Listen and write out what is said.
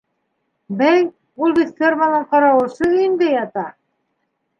Бәй, ул бит ферманың ҡарауылсы өйөндә ята!